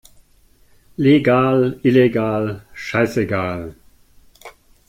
Legal, illegal, scheißegal!